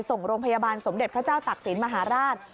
ส่งโรงพยาบาลสมเด็จพระเจ้าตักศิลป์มหาราช